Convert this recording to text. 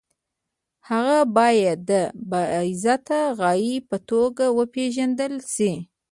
هغه باید د بالذات غایې په توګه وپېژندل شي.